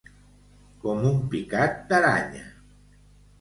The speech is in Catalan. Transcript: Com un picat d'aranya.